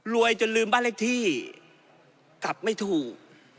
จนลืมบ้านเลขที่กลับไม่ถูก